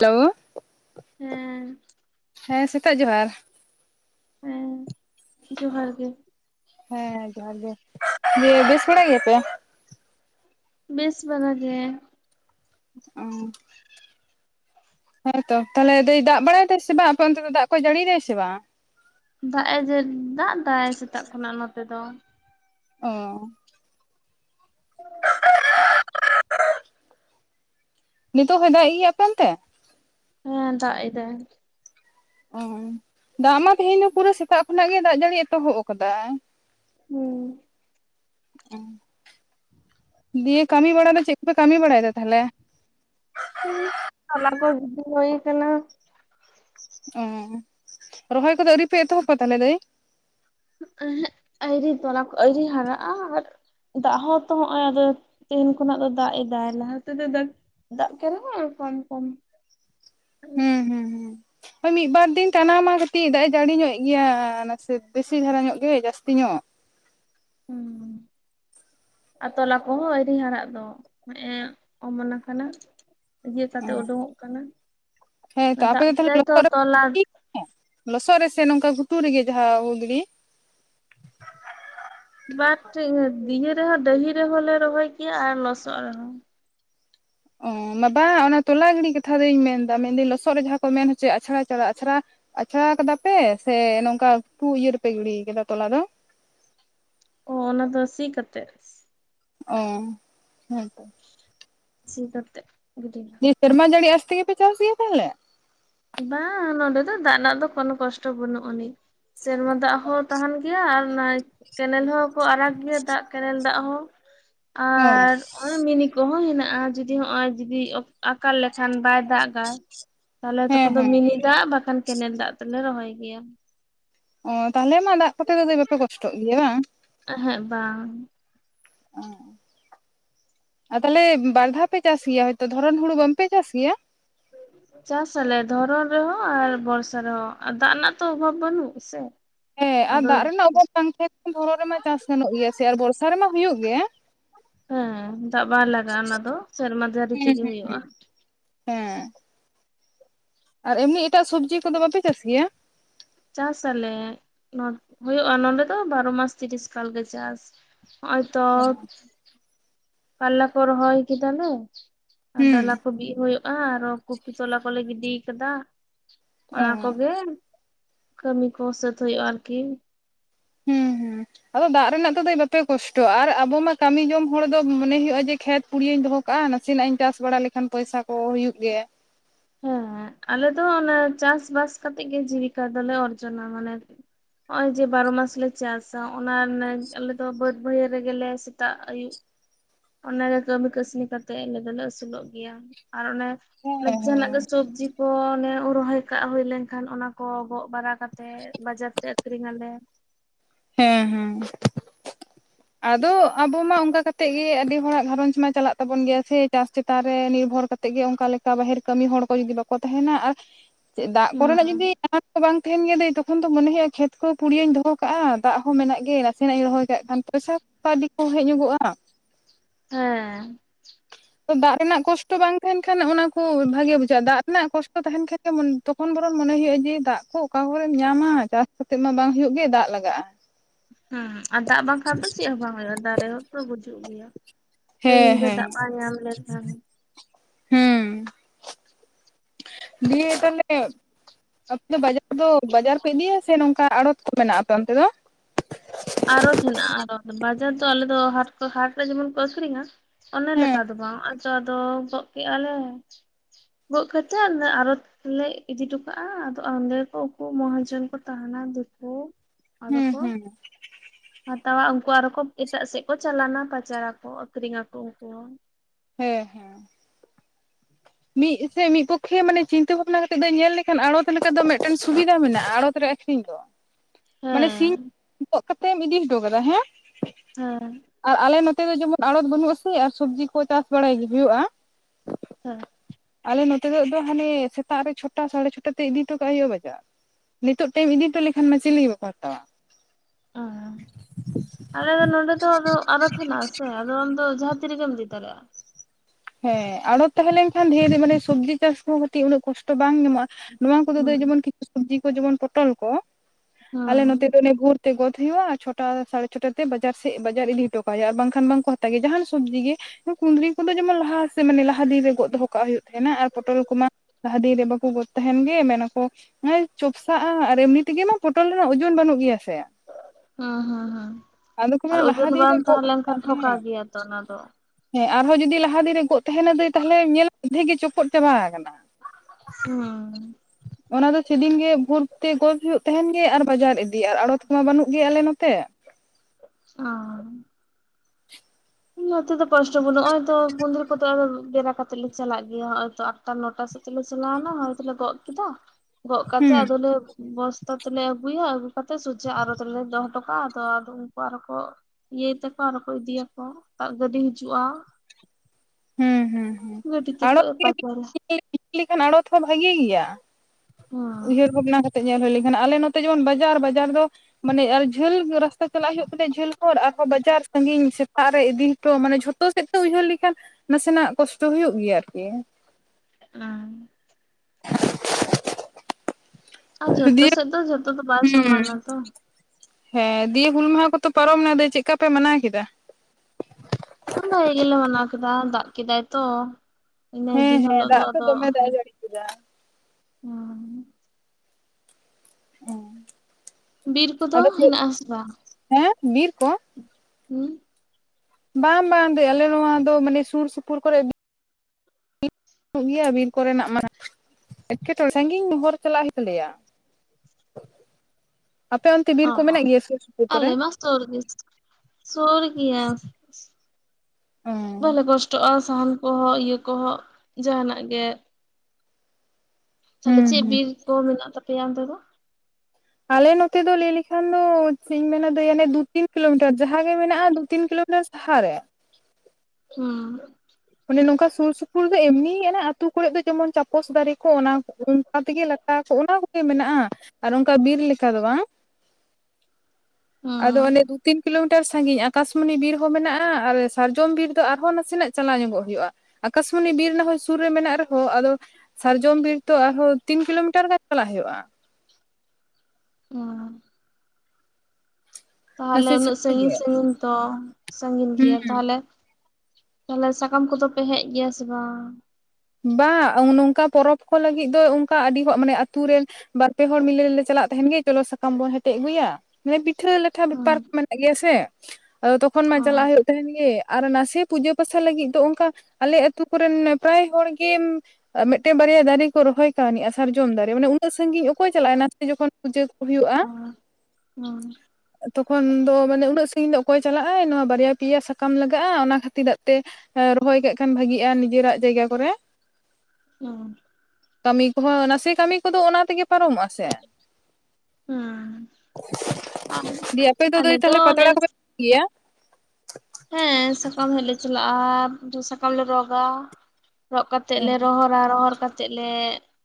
Hello ᱦᱮᱸ ᱦᱮᱸ ᱥᱮᱛᱟᱜ ᱡᱚᱦᱟᱨ ᱾ ᱮᱸ ᱡᱚᱦᱟᱨ ᱜᱮ ᱾ ᱦᱮᱸ ᱡᱚᱦᱟᱨ ᱜᱮ ᱵᱮᱥ ᱵᱟᱲᱟ ᱜᱮᱭᱟ ᱯᱮ ᱵᱮᱥ ᱵᱟᱲᱟ ᱜᱮ ᱚᱸ ᱦᱮᱸᱛᱚ ᱛᱟᱦᱚᱞᱮ ᱫᱭ ᱫᱟᱜ ᱵᱟᱲᱟᱭ ᱥᱮ ᱵᱟᱝ ᱟᱯᱮ ᱚᱱᱛᱮ ᱫᱚ ᱫᱟᱜ ᱠᱚᱭ ᱡᱟᱹᱲᱤᱭ ᱫᱟᱭ ᱥᱮ ᱵᱟᱝ ᱫᱟᱜ ᱮ ᱡᱟᱹ ᱫᱟᱜ ᱫᱟᱭ ᱥᱮᱛᱟᱜ ᱠᱷᱚᱱᱟᱜ ᱱᱚᱛᱮ ᱫᱚ ᱚᱸ ᱱᱤᱛᱚᱜ ᱦᱚᱭᱫᱟᱹᱜ ᱤᱭᱟᱹᱜ ᱠᱟᱱᱛᱮ [unintelligible] ᱦᱮᱸ ᱫᱟᱜ ᱮᱫᱟᱭ ᱾ ᱦᱚᱸ ᱫᱟᱜ ᱢᱟ ᱛᱮᱦᱮᱧ ᱫᱚ ᱯᱩᱨᱟᱹ ᱥᱮᱛᱟᱜ ᱠᱷᱚᱱᱟᱜ ᱜᱮ ᱫᱟᱜ ᱡᱟᱹᱲᱤ ᱮᱛᱚᱦᱚᱵ ᱟᱠᱟᱫᱟᱭ ᱾ ᱦᱩᱸ ᱾ ᱫᱤᱭᱮ ᱠᱟᱹᱢᱤ ᱵᱟᱲᱟ ᱫᱚ ᱪᱮᱫ ᱯᱮ ᱠᱟᱹᱢᱤ ᱵᱟᱲᱟᱭᱮᱫᱟ ᱛᱟᱦᱞᱮ ᱾ ᱩᱸ ᱛᱟᱞᱟ [unintelligible] ᱟᱠᱟᱱᱟ ᱚᱸ ᱨᱚᱦᱚᱭ ᱠᱚᱫᱚ ᱟᱹᱣᱨᱤᱯᱮ ᱮᱛᱚᱦᱚᱵᱟ ᱛᱟᱦᱚᱞᱮ ᱫᱟᱹᱭ ᱮᱸᱦᱮᱜ ᱟᱭᱨᱤ ᱛᱚᱞᱟ ᱠᱚ ᱟᱭᱨᱤ ᱦᱟᱨᱟᱜ-ᱟ ᱟᱨ ᱫᱟᱜ ᱦᱚᱸᱛᱚ ᱦᱚᱜ ᱚᱭ ᱡᱮ ᱛᱮᱦᱮᱧ ᱠᱷᱚᱱᱟᱜ ᱮ ᱫᱟᱜ ᱮᱫᱟᱭ ᱞᱟᱦᱟ ᱛᱮ ᱫᱚ ᱵᱟᱝ ᱫᱟᱜ ᱠᱮᱜ ᱨᱮᱦᱚᱸᱭ ᱠᱚᱢ ᱠᱚᱢ ᱦᱩᱸ ᱦᱩᱸ ᱦᱩᱸ ᱦᱳᱭ ᱢᱤᱫ ᱵᱟᱨ ᱫᱤᱱ ᱛᱟᱞᱟ ᱢᱟ ᱠᱟᱹᱴᱤᱡ ᱫᱟᱜ ᱮ ᱡᱟᱹᱲᱤ ᱞᱮᱫ ᱜᱮᱭᱟ ᱟ ᱱᱟᱥᱮ ᱫᱮᱥᱤ ᱢᱟᱨᱟ ᱧᱚᱜ ᱜᱮ ᱡᱟᱹᱥᱛᱤ ᱧᱚᱜ ᱦᱩᱸ [inaudible] ᱟᱨ ᱛᱚᱞᱟ ᱠᱚᱦᱚᱸ ᱟᱹᱭᱨᱤ ᱦᱟᱨᱟᱜ ᱫᱚ ᱦᱮᱸᱜ ᱮ ᱚᱢᱚᱱ ᱟᱠᱟᱱᱟ᱾ ᱤᱭᱟᱹ ᱠᱟᱛᱮᱜ ᱩᱰᱩᱸᱝ-ᱚᱜ ᱠᱟᱱᱟ ᱫᱟᱜ ᱠᱮᱫᱟᱭ ᱛᱚ ᱛᱚᱞᱟ ᱚᱸ ᱞᱚᱥᱚᱫ ᱨᱮᱥᱮ ᱱᱚᱝᱠᱟ ᱜᱷᱩᱴᱩ ᱨᱮᱜᱮ ᱡᱟᱦᱟᱸ ᱦᱩᱫᱲᱤ? ᱵᱟᱨ ᱴᱷᱮᱡ [unintelligible] ᱰᱟᱹᱦᱤ ᱨᱮᱦᱚᱸ ᱞᱮ ᱨᱚᱦᱚᱭ ᱜᱮᱭᱟ ᱟᱨ ᱞᱚᱥᱚᱜ ᱨᱮᱦᱚᱸ᱾ ᱚ [unintelligible] ᱚᱱᱟ ᱛᱚᱞᱟ ᱜᱤᱰᱤ ᱠᱟᱛᱷᱟ ᱫᱚᱧ ᱢᱮᱱᱫᱟ, ᱢᱮᱱᱫᱟᱹᱧ ᱞᱚᱥᱚᱫ ᱨᱮ ᱡᱟᱦᱟᱸ ᱠᱚ ᱢᱮᱱ ᱦᱚᱪᱚᱭᱮ ᱟ ᱟᱪᱷᱟᱲᱟ ᱪᱟᱨᱟ ᱟᱪᱷᱟᱨᱟ᱾ ᱟᱪᱷᱟᱲᱟ ᱟᱠᱟᱫᱟ ᱯᱮ ᱥᱮ ᱱᱚᱝᱠᱟ ᱯᱩ ᱤᱭᱟᱹ ᱨᱮᱯᱮ ᱜᱤᱲᱤᱭ ᱠᱟᱫᱟ ᱛᱚᱞᱟ ᱫᱚ? ᱚ ᱚᱱᱟ ᱫᱚ ᱥᱤ ᱠᱟᱛᱮ᱾ ᱚ ᱦᱮᱸᱛᱚ, ᱥᱤ ᱠᱟᱛᱮᱜ ᱜᱤᱰᱤ᱾ ᱫᱤᱭᱮ ᱥᱮᱨᱢᱟ ᱡᱟᱹᱲᱤ ᱟᱥ ᱛᱮᱜᱮ ᱯᱮ ᱪᱟᱥ ᱜᱮᱭᱟ ᱛᱟᱦᱚᱞᱮ? ᱵᱟᱝ ᱱᱚᱸᱰᱮ ᱫᱚ ᱫᱟᱜ ᱨᱮᱱᱟᱜ ᱫᱚ ᱠᱳᱱᱳ ᱠᱚᱥᱴᱚ ᱵᱟᱹᱱᱩᱜ ᱟᱹᱱᱤᱡ᱾ ᱥᱮᱨᱢᱟ ᱫᱟᱜ ᱦᱚᱸ ᱛᱟᱦᱮᱱ ᱜᱮᱭᱟ ᱟᱨ ᱱᱟᱭ ᱠᱮᱱᱮᱞ ᱦᱚᱸ᱾ ᱠᱚ ᱟᱨᱟᱜ ᱜᱮᱭᱟ ᱫᱟᱜ ᱠᱮᱱᱮᱞ ᱫᱟᱜ ᱦᱚᱸ ᱚ ᱟᱨ ᱦᱚᱜ-ᱚᱭ ᱢᱤᱱᱤ ᱠᱚᱦᱚᱸ ᱦᱮᱱᱟᱜ-ᱟ ᱡᱩᱫᱤ ᱦᱚᱜ-ᱚᱭ ᱡᱩᱫᱤ ᱟᱠᱟᱞ ᱞᱮᱠᱷᱟᱱ ᱵᱟᱭ ᱫᱟᱜᱟᱭ᱾ ᱛᱟᱦᱚᱞᱮ ᱦᱮᱸ ᱛᱚᱠᱷᱚᱱ ᱫᱚ ᱦᱮᱸ ᱢᱤᱱᱤ ᱫᱟᱜ ᱵᱟᱠᱷᱟᱱ ᱠᱮᱱᱮᱞ ᱫᱟᱜ ᱛᱮᱞᱮ ᱨᱚᱦᱚᱭ ᱜᱮᱭᱟ᱾ ᱚ ᱛᱟᱦᱚᱞᱮ ᱢᱟ ᱫᱟᱜ ᱠᱚᱛᱮ ᱫᱚ ᱵᱟᱯᱮ ᱠᱚᱥᱴᱚᱜ ᱜᱮᱭᱟ ᱵᱟᱝ? ᱮᱦᱮᱸ ᱵᱟᱝ ᱚ ᱟᱨ ᱛᱟᱦᱚᱞᱮ ᱵᱟᱨ ᱫᱷᱟᱣ ᱯᱮ ᱪᱟᱥ ᱜᱮᱭᱟ ᱦᱚᱭᱛᱚ ᱫᱷᱚᱨᱚᱱ ᱦᱩᱲᱩ ᱵᱟᱝᱯᱮ ᱪᱟᱥ ᱜᱮᱭᱟ᱾ ᱪᱟᱥ ᱟᱞᱮ ᱫᱷᱚᱨᱚᱱ ᱨᱮᱦᱚᱸ ᱟᱨ ᱵᱚᱨᱥᱟ ᱨᱮᱦᱚᱸ ᱫᱟᱜ ᱨᱮᱱᱟᱜ ᱛᱚ ᱚᱵᱷᱟᱵ ᱵᱟᱹᱱᱩᱜ ᱥᱮ᱾ ᱦᱮᱸ ᱟᱨ ᱟᱫᱚ ᱫᱟᱜ ᱨᱮᱱᱟᱜ ᱚᱵᱷᱟᱵᱽ ᱵᱟᱝ ᱛᱟᱦᱮᱸ ᱦᱚᱨᱚᱜ ᱨᱮᱢᱟ ᱪᱟᱥ ᱜᱟᱱᱚᱜ ᱜᱮᱭᱟ ᱥᱮ ᱟᱨ ᱵᱚᱨᱥᱟ ᱨᱮᱢᱟ ᱦᱩᱭᱩᱜ ᱜᱮ᱾ ᱦᱮᱸ ᱫᱟᱜ ᱵᱟᱝ ᱞᱟᱜᱟᱜ-ᱟ ᱚᱱᱟ ᱫᱚ ᱥᱮᱨᱢᱟ ᱡᱟᱹᱲᱤ ᱦᱩᱸ ᱛᱮᱜᱮ ᱦᱩᱸ ᱦᱩᱭᱩᱜ-ᱟ᱾ ᱦᱮᱸ ᱟᱨ ᱮᱢᱱᱤ ᱮᱴᱟᱜ ᱥᱚᱵᱽᱡᱤ ᱠᱚᱫᱚ ᱵᱟᱯᱮ ᱪᱟᱥ ᱜᱮᱭᱟ? ᱪᱟᱥ ᱟᱞᱮ ᱱᱚ ᱦᱩᱭᱩᱜ-ᱟ ᱱᱚᱸᱰᱮ ᱫᱚ ᱵᱟᱨᱚ ᱢᱟᱥ ᱛᱤᱨᱤᱥ ᱠᱟᱞ ᱜᱮ ᱪᱟᱥ᱾ ᱦᱚᱸᱜ-ᱚᱭ ᱛᱚ ᱠᱟᱨᱞᱟ ᱠᱚ ᱨᱚᱦᱚᱭ ᱠᱮᱫᱟᱞᱮ ᱟᱨ ᱦᱩᱸ ᱰᱟᱞᱟ ᱠᱚ ᱵᱤᱫ ᱦᱩᱭᱩᱜ᱾ ᱟᱸ ᱨᱚᱠᱩᱯᱤᱛᱚᱞᱟ ᱠᱚᱞᱮ ᱜᱤᱰᱤᱭ ᱠᱟᱫᱟ ᱚ ᱚᱱᱟ ᱠᱚᱜᱮ᱾ ᱠᱟᱹᱢᱤ ᱠᱩ ᱥᱟᱹᱛ ᱦᱩᱭᱩᱜ-ᱟ ᱟᱨᱠᱤ᱾ ᱦᱩᱸ ᱦᱩᱸ ᱟᱫᱚ ᱫᱟᱜ ᱨᱮᱱᱟᱜ ᱛᱚᱵᱮ ᱵᱟᱯᱮ ᱠᱚᱥᱴᱚᱜ-ᱟ ᱟᱨ ᱟᱵᱚ ᱢᱟ ᱠᱟᱹᱢᱤ ᱡᱚᱢ ᱦᱚᱲ ᱫᱚ ᱢᱚᱱᱮ ᱦᱩᱭᱩᱜ-ᱟ ᱡᱮ ᱠᱷᱮᱛ ᱯᱩᱲᱤᱭᱟᱹᱧ ᱫᱚᱦᱚ᱾ ᱮᱸ ᱱᱟᱥᱤᱱᱟᱜ ᱤᱧ ᱪᱟᱥ ᱵᱟᱲᱟ ᱞᱮᱠᱷᱟᱱ ᱯᱚᱭᱥᱟ ᱠᱚ ᱦᱩᱭᱩᱜ ᱜᱮᱭᱟ᱾ ᱦᱮᱸᱦᱮᱸ ᱟᱞᱮ ᱫᱚ ᱚᱱᱮ ᱪᱟᱥᱵᱟᱥ ᱠᱟᱛᱮᱜ ᱜᱮ ᱡᱤᱵᱤᱠᱟ ᱫᱚᱞᱮ ᱚᱨᱡᱚᱱᱟ ᱢᱟᱱᱮ᱾ ᱱᱚᱜ-ᱚᱭ ᱡᱮ ᱵᱟᱨᱚ ᱢᱟᱥ ᱞᱮ ᱪᱟᱥ ᱥᱟ ᱚᱱᱟ ᱨᱮ ᱟᱞᱮ ᱫᱚ ᱵᱟᱹᱫ ᱵᱟᱹᱭᱦᱟᱹᱲ ᱨᱮᱜᱮ ᱞᱮ ᱥᱮᱛᱟᱜ ᱟᱹᱭᱩᱵ᱾ ᱚᱱᱟᱨᱮ ᱠᱟᱹᱢᱤ ᱠᱟᱹᱥᱱᱤ ᱠᱟᱛᱮᱜ ᱟᱞᱮ ᱫᱚᱞᱮ ᱟᱹᱥᱩᱞᱚᱜ ᱜᱮᱭᱟ ᱟᱨ ᱚᱱᱮ ᱦᱮᱸ ᱡᱟᱦᱱᱟᱜ ᱦᱮᱸ ᱜᱮ ᱥᱚᱵᱽᱡᱤ ᱠᱚ ᱚᱱᱮ ᱨᱚᱦᱚᱭ ᱠᱟᱜ ᱦᱩᱭ ᱞᱮᱱᱠᱷᱟᱱ ᱚᱱᱟ ᱠᱚᱦ ᱵᱟᱨᱟ ᱠᱟᱛᱮ ᱵᱟᱡᱟᱨ ᱛᱮ ᱟᱹᱠᱷᱨᱤᱧ ᱟᱞᱮ᱾ ᱦᱮᱸ ᱦᱮᱸ᱾ ᱟᱫᱚ ᱟᱵᱚ ᱢᱟ ᱚᱱᱠᱟ ᱠᱟᱛᱮᱜᱤ ᱟᱹᱰᱤ ᱦᱚᱲᱟᱜ ᱜᱷᱟᱨᱚᱸᱡᱽ ᱢᱟ ᱪᱟᱞᱟᱜ ᱛᱟᱵᱚᱱ ᱜᱮᱭᱟ ᱥᱮ ᱪᱟᱥ ᱪᱮᱛᱟᱱ ᱨᱮ ᱱᱤᱨᱵᱷᱚᱨ ᱠᱟᱛᱮ᱾ ᱛᱮ ᱜᱮ ᱚᱱᱠᱟ ᱞᱮᱠᱟ ᱵᱟᱦᱮᱨ ᱠᱟᱹᱢᱤ ᱦᱚᱲ ᱠᱚ ᱡᱩᱫᱤ ᱵᱟᱠᱚ ᱛᱟᱦᱮᱱᱟ ᱟᱨ ᱪᱮᱫ ᱫᱟᱜ ᱠᱚᱨᱮᱱᱟᱜ ᱦᱩᱸ ᱡᱩᱫᱤ᱾ ᱵᱟᱝ ᱛᱟᱦᱮᱱ ᱜᱮᱭᱟ ᱫᱟᱹᱧ ᱛᱚᱠᱷᱚᱱ ᱫᱚ ᱢᱚᱱᱮ ᱦᱩᱭᱩᱜ-ᱟ ᱠᱷᱮᱛ ᱠᱚ ᱯᱩᱲᱤᱭᱟᱹᱧ ᱫᱚᱦᱚ ᱠᱟᱜ-ᱟ ᱫᱟᱜ ᱦᱚᱸ ᱢᱮᱱᱟᱜ ᱜᱮ᱾ ᱛᱤᱱᱟᱹᱧ ᱨᱚᱦᱚᱭ ᱠᱟᱜ ᱠᱷᱟᱱ ᱯᱚᱭᱥᱟ ᱠᱟᱹᱣᱰᱤ ᱠᱚ ᱦᱮᱡ ᱧᱚᱜᱚᱜ-ᱟ᱾ ᱦᱮᱸ ᱛᱚ ᱫᱟᱜ ᱨᱮᱱᱟᱜ ᱠᱚᱥᱴᱚ ᱵᱟᱝ ᱛᱟᱦᱮᱱ ᱠᱷᱟᱱ ᱚᱱᱟ ᱠᱚ ᱵᱷᱟᱜᱮ ᱵᱩᱡᱷᱟᱹᱜᱼᱟ ᱫᱟᱜ ᱨᱮᱱᱟᱜ ᱠᱚᱥᱴᱚ ᱛᱟᱦᱮᱱ ᱠᱷᱟᱱ᱾ ᱛᱚᱠᱷᱚᱱ ᱵᱚᱨᱚᱱ ᱢᱚᱱᱮ ᱦᱳᱭᱳᱜ ᱡᱮ ᱫᱟᱜ ᱠᱚ ᱚᱠᱟ ᱠᱚᱨᱮᱢ ᱧᱟᱢᱟ ᱪᱟᱥ ᱠᱟᱛᱮᱜ ᱢᱟ ᱵᱟᱝ ᱦᱳᱭᱳᱜ ᱜᱮ ᱫᱟᱜ ᱞᱟᱜᱟᱜᱼᱟ᱾ ᱦᱮᱸ ᱟᱨ ᱫᱟᱜ ᱵᱟᱝᱠᱷᱟᱱ ᱫᱚ ᱪᱮᱫ ᱦᱚᱸ ᱵᱟᱝ ᱦᱩᱭᱩᱜᱼᱟ ᱫᱟᱨᱮ ᱦᱚᱸ ᱛᱚ ᱜᱩᱡᱩᱜ ᱜᱮᱭᱟ ᱛᱚ [inaudible] ᱦᱮᱸ ᱤᱧ ᱨᱮ ᱦᱮᱸ ᱫᱟᱜ ᱵᱟᱝ ᱧᱟᱢ ᱞᱮᱱᱠᱷᱟᱱ ᱦᱩᱸ ᱫᱤᱭᱮ ᱛᱟᱦᱚᱞᱮ ᱟᱯᱮ ᱫᱚ ᱵᱟᱡᱟᱨ ᱫᱚ ᱵᱟᱡᱟᱨ ᱯᱮ ᱤᱫᱤᱭᱟ ᱥᱮ ᱱᱚᱝᱠᱟ ᱟᱲᱚᱛ ᱠᱚ ᱢᱮᱱᱟᱜ ᱟᱯᱮ ᱚᱱᱛᱮ ᱫᱚ ᱟᱨᱚ ᱢᱮᱱᱟᱜ ᱟ ᱚᱱᱟ ᱟᱨᱚ ᱵᱟᱡᱟᱨ ᱫᱚ ᱟᱞᱮ ᱦᱟᱴ ᱨᱮ ᱡᱮᱢᱚᱱ ᱠᱚ ᱟᱠᱠᱷᱨᱤᱧᱟ ᱚᱱᱮ ᱦᱮᱸ ᱞᱮᱠᱟ ᱫᱚ ᱵᱟᱝ ᱟᱫᱚ ᱫᱚ ᱜᱚᱜ ᱠᱮᱜᱼᱟ ᱞᱮ ᱜᱚᱫ ᱠᱟᱛᱮᱫ ᱟᱨᱚᱛ ᱞᱮ ᱤᱫᱤ ᱦᱚᱴᱚ ᱠᱟᱜᱼᱟ ᱟᱫᱚ ᱚᱸᱰᱮ ᱠᱚ ᱩᱱᱠᱩ ᱢᱚᱦᱟᱡᱚᱱ ᱠᱚ ᱛᱟᱦᱮᱱᱟ ᱫᱤᱠᱩ ᱟᱫᱚ ᱦᱮᱸ ᱠᱚ ᱦᱮᱸ ᱦᱟᱛᱟᱣᱟ ᱩᱱᱠᱩ ᱟᱨᱚ ᱠᱚ ᱮᱴᱟᱜ ᱥᱮᱫ ᱠᱚ ᱪᱟᱞᱟᱱᱟ ᱯᱟᱪᱟᱨᱟᱠᱚ ᱟᱠᱷᱨᱤᱧᱟᱠᱚ ᱩᱱᱠᱩ ᱦᱮᱸ ᱦᱮᱸ ᱢᱤᱫ ᱥᱮ ᱢᱤᱫ ᱯᱚᱠᱠᱷᱮ ᱢᱟᱱᱮ ᱪᱤᱱᱛᱟᱹ ᱵᱷᱟᱵᱽᱱᱟ ᱠᱟᱛᱮᱮᱫ ᱫᱚ ᱧᱮᱞ ᱞᱮᱠᱷᱟᱱ ᱟᱲᱚᱛ ᱞᱮᱠᱟ ᱫᱚ ᱢᱤᱫᱴᱮᱱ ᱥᱩᱵᱤᱫᱷᱟ ᱢᱮᱱᱟᱜᱼᱟ ᱟᱲᱚᱛ ᱨᱮ ᱟᱠᱷᱨᱤᱧ ᱢᱟᱱᱮ ᱥᱤᱧ ᱦᱮᱸ ᱜᱚᱫ ᱠᱟᱛᱮᱢ ᱤᱫᱤ ᱦᱚᱴᱚ ᱠᱟᱫᱟ ᱦᱮᱸ ᱦᱮᱸ ᱟᱨ ᱟᱞᱮ ᱱᱚᱛᱮ ᱫᱚ ᱡᱮᱢᱚᱱ ᱟᱲᱚᱛ ᱵᱟᱹᱱᱩᱜ ᱟᱥᱮ ᱟᱨ ᱥᱚᱵᱡᱤ ᱠᱚ ᱪᱟᱥ ᱵᱟᱲᱟᱭ ᱜᱮ ᱦᱩᱭᱩᱜᱼᱟ ᱦᱮᱸ ᱟᱞᱮ ᱱᱚᱛᱮ ᱫᱚ ᱫᱚ ᱦᱟᱱᱮ ᱥᱮᱛᱟᱜ ᱨᱮ ᱪᱷᱚᱴᱟ ᱥᱟᱲᱮ ᱪᱷᱚᱴᱟ ᱛᱮ ᱤᱫᱤ ᱦᱚᱴᱚ ᱠᱟᱜ ᱟᱭ ᱦᱩᱭᱩᱜᱼᱟ ᱵᱟᱡᱟᱨ ᱱᱤᱛᱚᱜ ᱴᱟᱭᱮᱢ ᱤᱫᱤᱴᱚ ᱞᱮ ᱠᱷᱟᱱ ᱢᱟ ᱪᱤᱞᱤ ᱜᱮ ᱵᱟᱠᱚ ᱦᱟᱛᱟᱣᱟ [unintelligible] ᱟᱞ ᱫᱚ ᱱᱚᱰᱮ ᱫᱚ ᱟᱫᱚ ᱟᱨᱚᱛ ᱦᱮᱱᱟᱼᱟ ᱥᱮ ᱟᱫᱚ ᱟᱢ ᱫᱚ ᱡᱟᱦᱟ ᱛᱤ ᱨᱮᱜᱮᱢ ᱤᱫᱤ ᱫᱟᱨᱮᱼᱟ ᱦᱮᱸ ᱟᱲᱚᱛ ᱛᱟᱦᱮᱸ ᱞᱮᱱᱠᱷᱟᱱ ᱫᱷᱮᱨ ᱢᱟᱱᱮ ᱥᱚᱵᱽᱡᱤ ᱪᱟᱥ ᱠᱚ ᱠᱷᱟᱹᱜ ᱩᱱᱟᱹᱜ ᱠᱚᱥᱴᱚ ᱵᱟᱝ ᱧᱟᱢᱚᱜᱼᱟ ᱱᱚᱣᱟ ᱠᱚᱫᱚ ᱦᱩᱸ ᱡᱮᱢᱚᱱ ᱠᱤᱪᱷᱩ ᱥᱚᱵᱡᱤ ᱠᱚ ᱡᱮᱢᱚᱱ ᱯᱚᱴᱚᱞ ᱠᱚ ᱟᱞᱮ ᱱᱚᱛᱮ ᱦᱩᱸ ᱫᱚ ᱵᱷᱳᱨ ᱜᱚᱫ ᱦᱩᱭᱩᱜᱼᱟ ᱟᱨ ᱪᱷᱚᱴᱟ ᱥᱟᱲᱮ ᱪᱷᱚᱴᱟ ᱛᱮ ᱵᱟᱡᱟᱨ ᱥᱮᱫ ᱵᱟᱡᱟᱨ ᱤᱫᱤ ᱦᱚᱴᱚ ᱠᱟᱜ ᱦᱩᱭᱩᱜᱼᱟ ᱵᱟᱝᱠᱷᱟᱱ ᱵᱟᱝᱠᱚ ᱦᱟᱛᱟᱣ ᱜᱮᱭᱟ ᱡᱟᱦᱟᱱ ᱥᱚᱵᱽᱡᱤ ᱜᱮ ᱠᱩᱸᱫᱽᱨᱤ ᱠᱚᱫᱚ ᱡᱮᱢᱚᱱ ᱞᱟᱦᱟᱥᱮᱫ ᱢᱟᱱᱮ ᱞᱟᱦᱟ ᱫᱤᱱ ᱨᱮ ᱜᱚᱫ ᱫᱚᱦᱚ ᱠᱟᱜ ᱦᱩᱭᱩᱜ ᱛᱟᱦᱮᱸᱱᱟ ᱟᱨ ᱯᱚᱴᱚᱞ ᱠᱚᱢᱟ ᱞᱟᱦᱟᱫᱤ ᱨᱮ ᱵᱟᱠᱚ ᱜᱚᱫ ᱛᱦᱮᱱ ᱜᱮ ᱢᱮᱱᱟᱠᱚ ᱪᱚᱯᱥᱟᱜᱼᱟ ᱟᱨ ᱮᱢᱱᱤ ᱛᱮᱜᱮ ᱢᱟ ᱯᱚᱴᱚᱞ ᱨᱮᱱᱟᱜ ᱳᱡᱚᱱ ᱵᱟᱹᱱᱩᱜ ᱜᱮᱭᱟ ᱥᱮ ᱦᱮᱸ ᱦᱮᱸ ᱦᱟᱸ ᱟᱫᱚ ᱠᱚ ᱟᱨ ᱢᱮᱱᱟ ᱳᱡᱚᱱ ᱞᱟᱦᱟ ᱫᱤᱱ ᱨᱮ ᱵᱟᱝ ᱜᱚᱫ ᱛᱟᱦᱮᱸ ᱞᱮᱱᱠᱷᱟᱱ ᱦᱮᱸ ᱴᱷᱚᱠᱟ ᱜᱮᱭᱟ ᱛᱚ ᱚᱱᱟ ᱫᱚ ᱦᱮᱸ ᱟᱨᱦᱚᱸ ᱡᱩᱫᱤ ᱞᱟᱦᱟ ᱫᱤᱱ ᱨᱮ ᱜᱚᱜ ᱛᱟᱦᱮᱸᱱᱟ ᱫᱟᱹᱭ ᱛᱟᱦᱚᱞᱮ ᱧᱮᱞᱫᱮᱜ ᱜᱮ ᱪᱚᱯᱚᱫ ᱪᱟᱵᱟ ᱟᱠᱟᱱᱟ ᱦᱩᱸ ᱚᱱᱟ ᱫᱚ ᱥᱮᱫᱤᱱ ᱜᱮ ᱵᱷᱳᱨ ᱛᱮ ᱜᱚᱫ ᱦᱩᱭᱩᱜ ᱛᱟᱦᱮᱱ ᱜᱮ ᱟᱨ ᱵᱟᱡᱟᱨ ᱤᱫᱤᱜ ᱟᱨ ᱟᱲᱚᱛ ᱠᱚᱢᱟ ᱵᱟᱹᱱᱩᱜ ᱜᱮᱭᱟ ᱟᱞᱮ ᱱᱚᱛᱮ ᱚ ᱱᱚᱛᱮᱫ ᱫᱚ ᱠᱚᱥᱴᱚ ᱵᱟᱹᱱᱩᱜ ᱱᱚᱜᱚᱭ ᱛᱚ ᱢᱚᱱᱫᱤᱨ ᱠᱚᱫᱚ ᱵᱮᱨᱟ [inaudible] ᱞ ᱞᱮ ᱪᱟᱞᱟᱜ ᱜᱮᱭᱟᱜᱛᱚ ᱟᱴᱟ ᱱᱚᱴᱟ ᱥᱮᱫ ᱛᱮᱞᱮ ᱪᱟᱞᱟᱣ ᱮᱱᱟ ᱦᱚᱛᱚᱞ ᱞᱮ ᱜᱚᱫ ᱠᱮᱫᱟ ᱜᱚᱜ ᱠᱟᱛᱮᱜ ᱦᱩᱸ ᱟᱫᱚᱞᱮ ᱵᱚᱥᱛᱟ ᱛᱮᱞᱮ ᱟᱹᱜᱩᱭᱟ ᱟᱹᱜᱩ ᱠᱟᱛᱮ ᱥᱚᱡᱷᱮ ᱟᱨᱚᱛ ᱛᱮᱞᱮ ᱫᱚᱦᱚ ᱦᱚᱴᱚ ᱠᱟᱜᱼᱟ ᱟ ᱟᱫᱚ ᱩᱱᱠᱩ ᱟᱨ ᱠᱚ ᱤᱭᱟᱹᱭ ᱛᱟᱠᱚ ᱟᱨ ᱠᱚ ᱤᱫᱤᱭᱟᱠᱚ ᱫᱟᱜ ᱜᱟᱹᱰᱤ ᱦᱤᱡᱩᱜᱼᱟ ᱦᱩᱸ ᱦᱩᱸ ᱦᱩᱸ ᱟᱲᱚᱛ ᱜᱮ [unintelligible] ᱞᱮᱠᱷᱟᱱ ᱟᱲᱚᱛ ᱦᱚᱸ ᱵᱷᱟᱜᱤ ᱜᱮᱭᱟ ᱩᱭᱦᱟᱹᱨ ᱦᱮᱸ ᱵᱷᱟᱵᱽᱱᱟᱛ ᱧᱮᱞ ᱦᱩᱭ ᱞᱮᱱᱠᱷᱟᱱ ᱟᱞᱮ ᱱᱚᱛᱮ ᱡᱮᱢᱚᱱ ᱵᱟᱡᱟᱨ ᱵᱟᱡᱟᱨ ᱫᱚ ᱢᱟᱱᱮ ᱟᱨ ᱡᱷᱟᱹᱞ ᱨᱟᱥᱛᱟ ᱪᱟᱞᱟᱜ ᱦᱩᱭᱩᱜ ᱛᱟᱞᱮ ᱡᱷᱟᱹᱞ ᱦᱚᱨ ᱟᱨᱦᱚᱸ ᱵᱟᱡᱟᱨ ᱥᱟᱺᱜᱤᱧ ᱥᱮᱛᱟᱜ ᱨᱮ ᱤᱫᱤᱦᱚᱴᱚ ᱢᱟᱱᱮ ᱡᱷᱚᱛᱚ ᱪᱮᱫ ᱛᱮ ᱩᱭᱦᱟᱹᱨ ᱞᱮᱠᱷᱟᱱ ᱱᱟᱥᱮᱱᱟᱜ ᱠᱚᱥᱴᱚ ᱦᱩᱭᱩᱜ ᱜᱮᱭᱟ ᱟᱨᱠᱤ ᱦ [unintelligible] ᱟᱨ ᱡᱚᱛᱚ ᱫᱤᱭᱮ ᱥᱮᱛ ᱫᱚ ᱡᱚᱛᱚ ᱫᱚ ᱵᱟᱭ ᱦᱩᱸ ᱥᱚᱢᱟᱱᱟ ᱛᱚ ᱦᱮᱸ ᱫᱤᱭᱮ ᱦᱩᱞ ᱢᱟᱦᱟ ᱠᱚᱛᱚ ᱯᱟᱨᱚᱢ ᱮᱱᱟ ᱪᱮᱫ ᱞᱮᱠᱟ ᱯᱮ ᱢᱟᱱᱟᱣ ᱠᱮᱫᱟ ᱵᱷᱟᱜᱮ ᱜᱮᱞᱮ ᱢᱟᱱᱟᱣ ᱠᱮᱫᱟ ᱫᱟᱜ ᱠᱮᱫᱟᱭ ᱛᱚ ᱤᱱᱟᱹ ᱦᱮᱸ ᱫᱤᱱ ᱦᱮᱸ ᱦᱤᱞᱳᱜ ᱫᱚ ᱫᱟᱜ ᱛᱚ ᱟᱫᱚ ᱫᱚᱢᱮ ᱫᱟᱜ ᱮ ᱡᱟᱹᱲᱤ ᱠᱮᱫᱟ ᱦᱩᱸ ᱚ ᱵᱤᱨ ᱠᱚᱫᱚ ᱟᱫᱚ ᱪᱮᱫ ᱦᱮᱱᱟᱜ ᱟᱥᱮ ᱵᱟᱝ ᱦᱮᱸ ᱵᱤᱨ ᱠᱚ ᱦᱩᱸ ᱵᱟᱝ ᱵᱟᱝ ᱫᱟᱹᱭ ᱟᱞᱮ ᱱᱚᱣᱟ ᱫᱚ ᱢᱟᱱᱮ ᱥᱩᱨ ᱥᱩᱯᱩᱨ ᱠᱚᱨᱮ ᱜᱮᱭᱟ ᱵᱤᱨ ᱠᱚᱨᱮᱱᱟᱜ ᱢᱟᱱᱮ ᱮᱴᱠᱮᱴᱚᱬᱮ ᱥᱟᱺᱜᱤᱧ ᱦᱚᱨ ᱪᱟᱞᱟᱜ ᱦᱩᱭᱩᱜ ᱛᱟᱞᱮᱭᱟ ᱟᱯᱮ ᱚᱱᱛᱮ ᱚ ᱵᱤᱨ ᱠᱚ ᱢᱮᱱᱟᱜ ᱜᱮᱭᱟ ᱥᱩᱨ ᱥᱩᱯᱩᱨ ᱠᱚᱨᱮ ᱟᱞᱮ ᱢᱟ ᱥᱩᱨ ᱜᱮ ᱥᱩᱨ ᱜᱮᱭᱟ ᱚ ᱵᱟᱞᱮ ᱠᱚᱥᱴ ᱱᱚᱥᱴᱚᱜ-ᱟ ᱥᱟᱦᱟᱱ ᱠᱚᱦᱚᱸ ᱤᱭᱟᱹ ᱠᱚᱦᱚᱸ ᱡᱟᱦᱟᱱᱟᱜ ᱜᱮ ᱛᱟᱦᱚᱞᱮ ᱦᱩᱸ ᱪᱮᱫ ᱦᱩᱸ ᱵᱤᱨ ᱠᱚ ᱢᱮᱱᱟᱜ ᱛᱟᱯᱮᱭᱟ ᱚᱱᱛᱮ ᱫᱚ ᱟᱞᱮ ᱱᱚᱛᱮ ᱫᱚ ᱞᱟᱹᱭ ᱞᱮᱠᱷᱟᱱ ᱫᱚ ᱪᱮᱫ ᱤᱧ ᱢᱮᱱᱟ ᱫᱮ ᱫᱩ ᱛᱤᱱ ᱠᱤᱞᱳᱢᱤᱴᱟᱨ ᱡᱟᱦᱟᱸᱜ ᱜᱮ ᱢᱮᱱᱟᱜ-ᱟ ᱫᱩ ᱛᱤᱱ ᱠᱤᱞᱳᱢᱤᱴ ᱚᱱᱟ ᱥᱟᱦᱟᱨᱮ ᱦᱮᱸ ᱚᱱᱮ ᱱᱚᱝᱠᱟ ᱥᱩᱨ ᱥᱩᱯᱩᱨ ᱫᱚ ᱮᱢᱱᱤ ᱟᱛᱳ ᱠᱚᱨᱮ ᱫᱚ ᱡᱮᱢᱚᱱ ᱪᱟᱯᱚᱥ ᱫᱟᱨᱮ ᱠᱚ ᱚᱱᱟ ᱚᱱᱠᱟ ᱛᱮᱜᱮ ᱞᱟᱹᱠ ᱚᱱᱟ ᱠᱚᱜᱮ ᱢᱮᱱᱟᱜ-ᱟ ᱟᱨ ᱚᱱᱠᱟ ᱵᱤᱨ ᱞᱮᱠᱟ ᱫᱚ ᱵᱟᱝ ᱟᱫᱚ ᱦᱩᱸ ᱚᱱᱮ ᱫᱩᱯ ᱛᱤᱱ ᱠᱤᱞᱳᱢᱤᱴᱟᱨ ᱥᱟᱺᱜᱤᱧ ᱟᱠᱟᱥᱢᱚᱱᱤ ᱵᱤᱨ ᱦᱚᱸ ᱢᱮᱱᱟᱜ-ᱟ ᱟᱨ ᱥᱟᱨᱡᱚᱢ ᱵᱤᱨ ᱫᱚ ᱟᱨᱦᱚᱸ ᱱᱟᱥᱮᱱᱟᱜ ᱪᱟᱞᱟᱣ ᱧᱚᱜᱚᱜ ᱦᱩᱭᱩᱜ-ᱟ ᱟᱠᱟᱥᱢᱚᱱᱤ ᱵᱤᱨ ᱨᱮᱱᱟᱜᱦᱚᱸ ᱥᱩᱨ ᱨᱮ ᱢᱮᱱᱟᱜ ᱨᱮᱦᱚᱸ ᱟᱫᱚ ᱥᱟᱨᱡᱚᱢ ᱵᱤᱨ ᱛᱚ ᱟᱨᱦᱚᱸ ᱛᱤᱱ ᱠᱤᱞᱳᱢᱤᱴᱟᱨ ᱜᱟᱱ ᱪᱟᱞᱟᱜ ᱦᱩᱭᱩᱜ-ᱟ ᱚ ᱛᱟᱦᱚᱞᱮ ᱱᱟᱥᱮ ᱩᱱᱟᱹᱜ ᱪᱷᱟᱲᱟ ᱥᱟᱺᱜᱤᱧ ᱜᱮ ᱥᱟᱜᱤᱧ ᱛᱚ ᱥᱟᱺᱜᱤᱧ ᱜᱮᱭᱟ ᱦᱩᱸ ᱛᱟᱦᱚᱞᱮ ᱛᱟᱦᱚᱞᱮ ᱥᱟᱠᱟᱢ ᱠᱚᱫᱚ ᱯᱮ ᱦᱮᱡ ᱜᱮᱭᱟ ᱥᱮ ᱵᱟᱝ ᱵᱟᱝ ᱱᱚᱝᱠᱟ ᱯᱚᱨᱚᱵᱽ ᱠᱚ ᱞᱟᱹᱜᱤᱫ ᱫᱚ ᱚᱱᱠᱟ ᱟᱹᱰᱤ ᱦᱚᱲ ᱢᱟᱱᱮ ᱟᱹᱛᱩ ᱨᱮᱱ ᱵᱟᱨ ᱯᱮ ᱦᱚᱲ ᱢᱤᱞᱮᱞᱮ ᱪᱟᱞᱟᱜ ᱛᱟᱦᱮᱱ ᱜᱮ ᱪᱚᱞᱚ ᱥᱟᱠᱟᱢ ᱵᱚᱱ ᱦᱮᱴᱮᱡ ᱟᱹᱜᱩᱭᱟ ᱢᱟᱱᱮ ᱯᱤᱴᱷᱟᱹ ᱞᱟᱴᱷᱟ ᱵᱮᱯᱟᱨ ᱦᱩᱸ ᱠᱚ ᱢᱮᱱᱟᱜ ᱜᱮᱭᱟ ᱥᱮ ᱟᱫᱚ ᱛᱚᱠᱷᱚᱱ ᱢᱟ ᱚ ᱪᱟᱞᱟᱜ ᱦᱩᱭᱩᱜ ᱛᱟᱦᱮᱱ ᱜᱮ ᱟᱨ ᱱᱟᱥᱮ ᱯᱩᱡᱟᱹ ᱯᱟᱥᱟ ᱞᱟᱹᱜᱤᱫ ᱫᱚ ᱚᱱᱠᱟ ᱟᱞᱮ ᱟᱹᱛᱩ ᱠᱚᱨᱮᱱ ᱯᱨᱟᱭ ᱦᱚᱲᱜᱮ ᱟᱨ ᱢᱤᱫᱴᱮᱡ ᱵᱟᱨᱭᱟ ᱫᱟᱨᱮ ᱠᱚ ᱨᱚᱦᱚᱭ ᱠᱟᱣᱱᱤᱡ ᱟ ᱥᱟᱨᱡᱚᱢ ᱫᱟᱨᱮ ᱢᱟᱱᱮ ᱩᱱᱟᱹᱜ ᱥᱟᱺᱜᱤᱧ ᱚᱠᱚᱭ ᱪᱟᱞᱟᱜ-ᱟ ᱱᱟᱥᱮ ᱡᱚᱠᱷᱚᱱ ᱯᱩᱡᱟᱹ ᱦᱩᱭᱩᱜᱼᱟ ᱚ ᱦᱩᱸ ᱛᱚᱠᱷᱚᱱ ᱫᱚ ᱢᱟᱱᱮ ᱩᱱᱟᱹᱜ ᱥᱟᱺᱜᱤᱧ ᱫᱚ ᱚᱠᱚᱭ ᱪᱟᱞᱟᱜ ᱟᱭ ᱱᱚᱣᱟ ᱵᱟᱨᱭᱟ ᱯᱮᱭᱟ ᱥᱟᱠᱟᱢ ᱞᱟᱜᱟᱜ-ᱟ ᱚᱱᱟ ᱠᱷᱟᱹᱛᱤᱨᱟᱜ ᱛᱮ ᱨᱚᱦᱚᱭ ᱠᱟᱜ ᱠᱷᱟᱱ ᱵᱷᱟᱜᱤᱜ-ᱟ ᱱᱤᱡᱮᱨᱟᱜ ᱡᱟᱭᱜᱟ ᱠᱚᱨᱮ ᱦᱩᱸ ᱠᱟᱹᱢᱤ ᱠᱚᱦᱚᱸ ᱱᱟᱥᱮ ᱠᱟᱹᱢᱤ ᱠᱚᱫᱚ ᱚᱱᱟ ᱛᱮᱜᱮ ᱯᱟᱨᱚᱢᱚᱜ-ᱟ ᱥᱮ ᱦᱩᱸ ᱫᱤ ᱟᱯᱮ ᱫᱚ ᱫᱟᱹᱭ ᱟᱞᱮ ᱛᱟᱦᱮ ᱯᱟᱛᱲᱟ ᱚᱱᱮ ᱠᱚᱯᱮ ᱜᱮᱭᱟ ᱦᱮᱸ ᱥᱟᱠᱟᱢ ᱦᱮᱡ ᱞᱮ ᱪᱟᱞᱟᱜ-ᱟ ᱥᱟᱠᱟᱢ ᱞᱮ ᱨᱚᱜᱟ ᱨᱚᱜ ᱠᱟᱛᱮ ᱞᱮ ᱨᱚᱦᱚᱨᱟ ᱨᱚᱦᱚᱲ ᱠᱟᱛᱮ ᱪᱮᱫ ᱞᱮ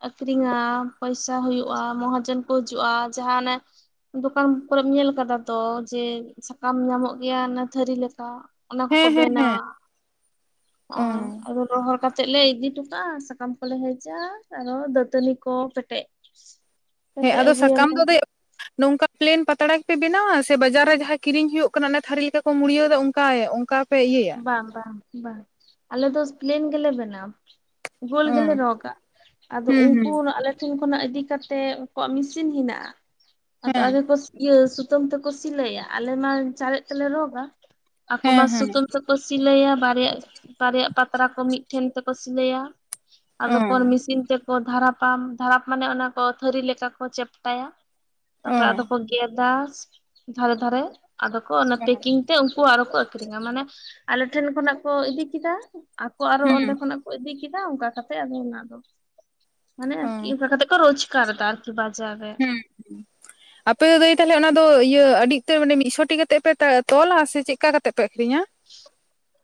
ᱟᱠᱷᱨᱤᱧᱟ ᱯᱚᱭᱥᱟ ᱦᱩᱭᱩᱜ-ᱟ ᱢᱚᱦᱟᱡᱚᱱ ᱠᱚ ᱦᱤᱡᱩᱜ-ᱟ ᱡᱟᱦᱟᱸᱱᱟᱜᱮ ᱫᱚᱠᱟᱱ ᱠᱚᱨᱮᱢ ᱧᱮᱞ ᱟᱠᱟᱫᱟ ᱛᱚ ᱡᱮ ᱥᱟᱠᱟᱢ ᱧᱟᱢᱚᱜ ᱜᱮᱭᱟ ᱚᱱᱟ ᱛᱷᱟᱹᱨᱤ ᱞᱮᱠᱟ ᱛᱚ ᱚᱱᱟ ᱦᱮᱸ ᱠᱚᱠᱚ ᱦᱮᱸ ᱦᱮᱸ ᱵᱮᱱᱟᱣᱟ ᱚ ᱟᱨ ᱨᱚᱦᱚᱲ ᱠᱟᱛᱮᱫ ᱞᱮ ᱤᱫᱤ ᱦᱚᱴᱚ ᱠᱟᱜ-ᱟ ᱥᱟᱠᱟᱢ ᱠᱚᱞᱮ ᱦᱮᱡᱟ ᱟᱨᱚ ᱫᱟᱹᱛᱟᱹᱱᱤ ᱠᱚ ᱯᱮᱴᱮᱡ ᱦᱮᱸ ᱯᱮᱴᱮᱡ ᱟᱫᱚ ᱥᱟᱠᱟᱢ ᱟᱹᱜᱩᱭᱟᱞᱮ ᱫᱚ ᱫᱟᱹᱭ ᱱᱚᱝᱠᱟ ᱯᱞᱮᱱ ᱯᱟᱛᱲᱟ ᱜᱮᱯᱮ ᱵᱮᱱᱟᱣᱟ ᱥᱮ ᱵᱟᱡᱟᱨ ᱨᱮ ᱡᱟᱦᱟᱸ ᱠᱤᱨᱤᱧ ᱦᱩᱭᱩᱜ ᱠᱟᱱᱟ ᱚᱱᱟ ᱛᱷᱟᱹᱨᱤ ᱞᱮᱠᱟ ᱢᱩᱲᱭᱟᱹᱣ ᱚᱱᱠᱟᱭ ᱚᱱᱠᱟ ᱯᱮ ᱤᱭᱟᱹ ᱵᱟᱝ ᱵᱟᱝ ᱵᱟᱝ ᱟᱞᱮ ᱫᱚ ᱯᱞᱮᱱ ᱜᱮᱞᱮ ᱵᱮᱱᱟᱣᱟ ᱜᱳᱞ ᱚ ᱜᱮᱞᱮ ᱨᱚᱜ ᱟᱠᱟᱜᱼᱟ ᱟᱫᱚ ᱦᱩᱸ ᱦᱩᱸ ᱩᱱᱠᱩᱨᱟᱜ ᱞᱮ ᱴᱷᱮᱱ ᱠᱷᱚᱱᱟᱜ ᱤᱫᱤ ᱠᱟᱛᱮᱜ ᱩᱱᱠᱩᱣᱟᱜ ᱢᱮᱥᱤᱱ ᱦᱮᱱᱟᱜᱼᱟ ᱟᱫᱚ ᱦᱮᱸ ᱟᱞᱮ ᱠᱚ ᱤᱭᱟᱹ ᱥᱩᱛᱟᱹᱢ ᱛᱮᱠᱚ ᱥᱤᱞᱟᱹᱭᱟ ᱟᱞᱮ ᱢᱟ ᱪᱟᱨᱮᱡ ᱛᱮᱞᱮ ᱨᱚᱜᱟ ᱟᱠᱚ ᱢᱟ ᱦᱮᱸ ᱦᱮᱸ ᱥᱩᱛᱟᱹᱢ ᱠᱚ ᱥᱤᱞᱟᱹᱭᱟ ᱵᱟᱨᱭᱟ ᱵᱟᱨᱭᱟ ᱯᱟᱛᱲᱟ ᱠᱚ ᱢᱤᱫᱴᱷᱮᱱ ᱛᱮᱠᱚ ᱥᱤᱞᱟᱹᱭᱟ ᱚ ᱟᱫᱚᱠᱚᱞ ᱢᱮᱥᱤᱱ ᱛᱮ ᱫᱟᱨᱟᱯᱟ ᱫᱷᱟᱨᱟᱯ ᱢᱟᱱᱮ ᱚᱱᱟ ᱠᱚ ᱛᱷᱟᱹᱨᱤ ᱞᱮᱠᱟ ᱠᱚ ᱪᱟᱯᱴᱟᱭᱟ ᱚ ᱛᱟᱯᱚᱨᱮ ᱟᱫᱚ ᱠᱚ ᱜᱮᱫᱟ ᱫᱷᱟᱨᱮ ᱫᱷᱟᱨᱮ ᱟᱫᱚ ᱠᱚ ᱯᱮᱠᱤᱝ ᱛᱮ ᱩᱱᱠᱩ ᱟᱨᱚ ᱠᱚ ᱟᱠᱷᱨᱤᱧᱟ ᱢᱟᱱᱮ ᱟᱞᱮ ᱴᱷᱮᱱ ᱠᱷᱚᱱᱟᱜ ᱠᱚ ᱤᱫᱤ ᱠᱮᱫᱟ ᱟᱠᱚ ᱟᱨᱚ ᱚᱸᱰᱮ ᱦᱩᱸ ᱠᱷᱚᱱᱟᱜ ᱤᱫᱤ ᱠᱮᱫᱟ ᱚᱱᱠᱟ ᱠᱟᱛᱮ ᱟᱫᱚ ᱚᱱᱟ ᱫᱚ ᱢᱟᱱᱮ ᱚ ᱟᱨᱠᱤ ᱚᱱᱠᱟ ᱠᱟᱛᱮ ᱨᱳᱡᱽᱜᱟᱨ ᱫᱟ ᱟᱨᱠᱤ ᱵᱟᱡᱟᱨ ᱨᱮ ᱦᱮᱸ [unintelligible] ᱟᱯᱮ ᱫᱚ ᱫᱟᱹᱭ ᱛᱟᱦᱞᱮ ᱚᱱᱟ ᱫᱚ ᱤᱭᱟᱹ ᱟᱹᱫᱷᱤᱠᱛᱚᱨ ᱢᱤᱫ ᱥᱚᱴᱤ ᱠᱟᱛᱮᱫ ᱯᱮ ᱛᱚᱞᱟ ᱥᱮ ᱪᱮᱫ ᱞᱮᱠᱟ ᱠᱟᱛᱮᱜ ᱯᱮ ᱟᱹᱠᱷᱨᱤᱧᱟ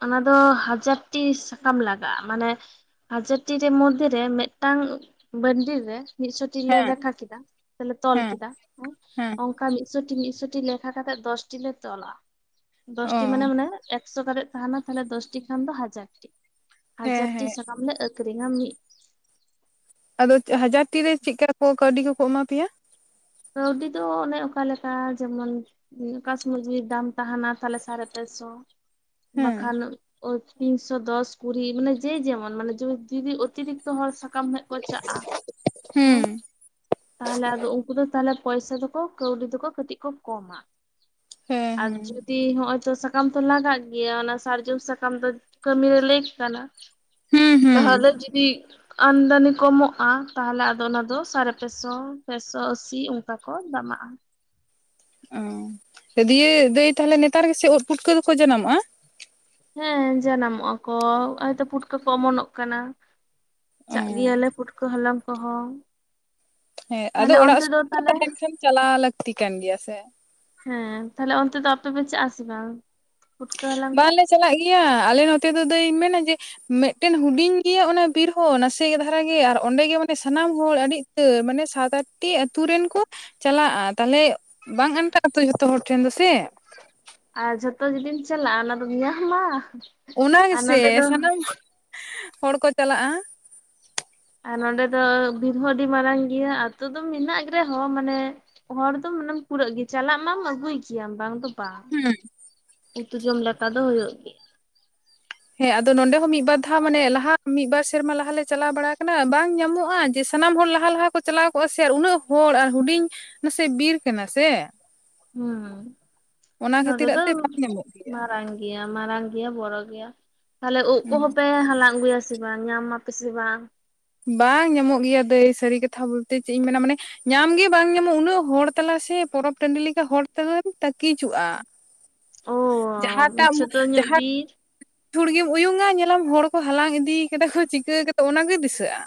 ᱚᱱᱟ ᱫᱚ ᱦᱟᱡᱟᱨ ᱴᱤ ᱥᱟᱠᱟᱢ ᱞᱟᱜᱟᱜᱼᱟ ᱢᱟᱱᱮ ᱦᱟᱡᱟᱨ ᱴᱤ ᱨᱮ ᱢᱚᱫᱷᱮ ᱨᱮ ᱢᱤᱫᱴᱟᱝ [unintelligible] ᱨᱮ ᱢᱤᱫ ᱥᱚᱴᱤ ᱞᱮ ᱦᱮᱸ ᱫᱟᱠᱟ ᱠᱮᱫᱟ ᱛᱟᱦᱞᱮ ᱛᱚᱞ ᱦᱮᱸ ᱠᱮᱫᱟ ᱦᱮᱸ [unintelligible] ᱚᱱᱠᱟ ᱢᱤᱫᱥᱚᱴᱤ-ᱢᱤᱫᱥᱚᱴᱤ ᱞᱮᱠᱷᱟ ᱠᱟᱛᱮᱜ ᱫᱚᱥᱴᱤ ᱞᱮ ᱛᱚᱞᱟ ᱚ ᱫᱚᱥᱴᱤ ᱢᱟᱱᱮ ᱢᱟᱱᱮ ᱮᱠᱥᱚ ᱠᱟᱛᱮᱫ ᱛᱟᱦᱮᱱᱟ ᱛᱟᱦᱚᱞᱮ ᱫᱚᱥᱴᱤ ᱠᱷᱟᱱ ᱫᱚ ᱦᱟᱡᱟᱨᱴᱤ, ᱦᱮᱸ ᱦᱟᱡᱟᱨ ᱴᱤ ᱦᱮᱸ ᱥᱟᱠᱟᱢ ᱞᱮ [unintelligible] [unintelligible] ᱟᱫᱚ ᱦᱟᱡᱟᱨ ᱴᱤ ᱨᱮ ᱪᱮᱜᱠᱟ ᱠᱚ ᱠᱟᱹᱣᱰᱤ ᱠᱚᱠᱚ ᱮᱢᱟ ᱯᱮᱭᱟ? ᱠᱟᱹᱣᱰᱤ ᱫᱚ ᱚᱱᱮ ᱚᱠᱟ ᱞᱮᱠᱟ ᱡᱮᱢᱚᱱ ᱚᱠᱟ ᱥᱚᱢᱚᱭ [unintelligible] ᱫᱟᱢ ᱛᱟᱦᱮᱱᱟ ᱛᱟᱦᱚᱞᱮ ᱥᱟᱨᱮ ᱛᱮ ᱥᱚ, ᱦᱮᱸ ᱵᱟᱠᱷᱟᱱ [unintelligible] ᱛᱤᱱᱥᱚ ᱫᱚᱥ ᱠᱩᱲᱤ ᱢᱟᱱᱮ ᱡᱮ ᱡᱮᱢᱚᱱ ᱢᱟᱱᱮ ᱡᱩᱫᱤ ᱚᱛᱤᱨᱤᱠ ᱥᱟᱠᱟᱢ ᱦᱮᱜ ᱠᱚ ᱪᱟᱜᱼᱟ ᱦᱮᱸ ᱦᱩᱸ ᱛᱟᱦᱚᱞᱮ ᱟᱫᱚ ᱩᱱ ᱩᱱᱠᱩ ᱫᱚ ᱛᱟᱦᱚᱞᱮ ᱯᱚᱭᱥᱟ ᱫᱚᱠᱚ ᱠᱟᱹᱣᱰᱤ ᱫᱚᱠᱚ ᱠᱟᱹᱴᱤᱡ ᱠᱚ ᱠᱚᱢᱟ, ᱦᱮᱸ ᱟᱨ ᱦᱮᱸ ᱡᱩᱫᱤ ᱛᱤ ᱦᱚᱸ [unintelligible] ᱥᱟᱠᱟᱢ ᱛᱚ ᱞᱟᱜᱟᱜ ᱜᱮᱭᱟ ᱚᱱᱟ ᱥᱟᱨᱡᱚᱢ ᱥᱟᱠᱟᱢ ᱫᱚ ᱠᱟᱹᱢᱤᱨᱮ ᱞᱤᱠ ᱠᱟᱱᱟ, ᱦᱩᱸ ᱦᱩᱸ ᱛᱟᱦᱚᱞᱮ ᱡᱩᱫᱤ ᱟᱢᱫᱟᱱᱤ ᱠᱚᱢᱚᱜᱼᱟ ᱛᱟᱦᱚᱞᱮ ᱟᱫᱚ ᱚᱱᱟ ᱫᱚ ᱥᱟᱲᱮ ᱯᱮᱥᱚ ᱯᱮ ᱥᱚ [unintelligible] ᱪᱤ ᱚᱱᱠᱟ ᱠᱚ ᱫᱟᱢᱟᱜᱼᱟ, [unintelligible] ᱫᱤᱭᱮ ᱫᱟᱹᱭ ᱛᱟᱦᱞᱮ ᱱᱮᱛᱟᱨ ᱜᱮᱥᱮ ᱩᱫ ᱯᱩᱴᱠᱟᱹ ᱫᱚᱠᱚ ᱡᱟᱱᱟᱢᱚᱜᱼᱟ᱾ ᱦᱮᱸ ᱡᱟᱱᱟᱢᱚᱜᱼᱟ ᱠᱚᱻ ᱦᱚᱭᱛᱚ ᱯᱩᱴᱠᱟᱹ ᱠᱚ ᱚᱢᱚᱱᱚᱜ ᱠᱟᱱᱟ᱾ ᱚ ᱪᱟᱜ ᱜᱮᱭᱟᱞᱮ ᱯᱩᱴᱠᱟᱹ ᱦᱟᱞᱟᱝ ᱠᱚᱦᱚᱸ ᱦᱮᱸ ᱟᱫᱚ ᱛᱟᱦᱞᱮ ᱚᱲᱟᱜ ᱚᱱᱛᱮ ᱥᱩᱨ ᱫᱚ ᱠᱚ ᱛᱟᱦᱞᱮ ᱛᱟᱦᱮᱱ ᱠᱷᱟᱱ ᱪᱟᱞᱟᱣ ᱞᱟᱹᱠᱛᱤ ᱠᱟᱱ ᱜᱮᱭᱟ ᱥᱮ, ᱦᱮᱸ ᱛᱟᱦᱞᱮ ᱚᱱᱛᱮ ᱫᱚ ᱟᱯᱮ ᱯᱮ ᱪᱟᱜ ᱟᱥᱮ ᱵᱟᱝ ᱯᱷᱩᱴᱠᱟᱹ ᱦᱟᱞᱟᱝ ᱠᱚ? ᱵᱟᱝᱞᱮ ᱪᱟᱞᱟᱜ ᱜᱮᱭᱟ ᱟᱞᱮ ᱱᱚᱛᱮ ᱫᱚ ᱫᱟ. ᱭ ᱢᱮᱱᱟ ᱡᱮ ᱢᱤᱫᱴᱮᱱ ᱦᱩᱰᱤᱧ ᱜᱮᱭᱟ ᱚᱱᱟ ᱵᱤᱨ ᱦᱚᱸ ᱱᱟᱥᱮ ᱫᱷᱟᱨᱟ ᱜᱮ ᱟᱨ ᱚᱸᱰᱮ ᱜᱮ ᱢᱟᱱᱮ ᱥᱟᱱᱟᱢ ᱦᱚᱲ ᱟᱹᱰᱤ ᱢᱟᱱᱮ ᱥᱟᱛ ᱟᱴ ᱴᱤ ᱟᱛᱳ ᱨᱮᱱ ᱠᱚ ᱪᱟᱞᱟᱜᱼᱟ ᱛᱟᱦᱚᱞᱮ ᱵᱟᱝ ᱟᱱᱴᱟᱜᱼᱟ ᱡᱚᱛᱚ ᱦᱚᱲ ᱴᱷᱮᱱ ᱫᱚ ᱥᱮ, ᱟᱨ ᱡᱚᱛᱚ ᱡᱩᱫᱤᱢ ᱪᱟᱞᱟᱜᱼᱟ ᱚᱱᱟ ᱫᱚᱢ ᱧᱟᱢᱟ, ᱚᱱᱟ ᱟᱨ ᱜᱮᱥᱮ ᱱᱚᱸᱰᱮ ᱫᱚ ᱥᱟᱱᱟᱢ ᱦᱚᱲ ᱠᱚ ᱪᱟᱞᱟᱜᱼᱟ ᱟᱨ ᱱᱚᱰᱮ ᱫᱚ ᱵᱤᱨ ᱦᱚᱸ ᱟᱹᱰᱤ ᱢᱟᱨᱟᱝ ᱜᱮᱭᱟ ᱟᱛᱳ ᱫᱚ ᱢᱮᱱᱟᱜ ᱨᱮᱦᱚᱸ ᱢᱟᱱᱮ ᱦᱚᱲ ᱫᱚ ᱢᱟᱱᱮᱢ ᱯᱩᱨᱟᱹᱜ ᱜᱮ ᱪᱟᱞᱟᱜ ᱢᱟᱢ ᱟᱹᱜᱩᱭ ᱜᱮᱭᱟᱢ ᱵᱟᱝ ᱫᱚ ᱵᱟᱝ, ᱦᱩᱸ ᱩᱛᱩ ᱡᱚᱢ ᱫᱟᱠᱟ ᱫᱚ ᱦᱩᱭᱩᱜ ᱜᱮ ᱦᱮᱸ ᱟᱫᱚ ᱱᱚᱰᱮ ᱦᱚᱸ ᱢᱤᱫ ᱵᱟᱨ ᱫᱷᱟᱣ ᱢᱟᱱᱮ ᱞᱟᱦᱟ ᱢᱤᱫ ᱵᱟᱨ ᱥᱮᱨᱢᱟ ᱞᱟᱦᱟ ᱪᱟᱞᱟᱣ ᱵᱟᱲᱟ ᱟᱠᱟᱱᱟ ᱵᱟᱝ ᱧᱟᱢᱚᱜᱼᱟ ᱡᱮᱥ ᱥᱟᱱᱟᱢ ᱦᱚᱲ ᱞᱟᱦᱟ ᱞᱟᱦᱟ ᱠᱚ ᱪᱟᱞᱟᱣ ᱠᱚᱜᱼᱟ ᱥᱮ ᱟᱨ ᱩᱱᱟᱹᱜ ᱦᱚᱲ ᱟᱨ ᱦᱩᱰᱤᱧ ᱱᱟᱥᱮ ᱵᱤᱨ ᱠᱟᱱᱟ ᱥᱮ, ᱦᱩᱸ ᱚᱱᱟ ᱱᱚᱰᱮ ᱠᱷᱟᱹᱛᱤᱨᱟᱜ ᱫᱚ ᱛᱮ ᱵᱟᱝ ᱧᱟᱢᱚᱜ ᱜᱮᱭᱟ ᱢᱟᱨᱟᱝ ᱜᱮᱭᱟ ᱢᱟᱨᱟᱝ ᱜᱮᱭᱟ ᱵᱚᱲᱚ ᱜᱮᱭᱟ ᱛᱟᱦᱞᱮ ᱩᱫ ᱠᱚᱦᱚᱸ ᱯᱮ ᱦᱟᱞᱟᱝ ᱟᱹᱜᱩᱭᱟ ᱥᱮ ᱵᱟᱝ ᱧᱟᱢ ᱢᱟᱯᱮᱥᱮ ᱵᱟᱝ ᱵᱟᱝ ᱧᱟᱢᱚᱜ ᱜᱮᱭᱟ ᱫᱟᱹᱭ ᱥᱟᱹᱨᱤ ᱠᱟᱛᱷᱟ ᱵᱚᱞᱛᱮ ᱪᱮᱫ ᱤᱧ ᱢᱮᱱᱟ ᱢᱟᱱᱮ ᱧᱟᱢᱜᱮ ᱵᱟᱝ ᱧᱟᱢᱚᱜ-ᱟ ᱩᱱᱟᱹᱜ ᱦᱚᱲ ᱛᱟᱞᱟ ᱥᱮ ᱯᱚᱨᱚᱵ ᱴᱟᱺᱰᱤ ᱞᱮᱠᱟ ᱦᱚᱲ ᱛᱟᱫᱚᱢ ᱛᱟᱠᱤᱡᱚᱜ-ᱟ ᱚ ᱡᱟᱦᱟᱸ ᱴᱟᱜ ᱢᱩᱸ ᱪᱷᱳᱴᱳ ᱧᱚᱜ ᱡᱟᱦᱟᱸ ᱵᱤᱨ ᱪᱷᱩᱲ ᱜᱮᱢ ᱩᱭᱩᱝᱟ ᱧᱮᱞᱟᱢ ᱦᱚᱲ ᱠᱚ ᱦᱟᱞᱟᱝ ᱤᱫᱤ ᱠᱟᱫᱟ ᱠᱚ ᱪᱤᱠᱟᱹ ᱠᱟᱫᱟ ᱚᱱᱟ ᱜᱮ ᱫᱤᱥᱟᱹᱜ-ᱟ᱾